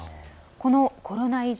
このコロナ遺児。